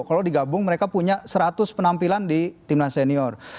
kalau digabung mereka punya seratus penampilan di timnas senior